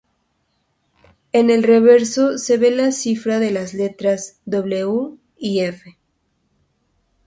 En el reverso se ve la cifra de las letras "W" y "F".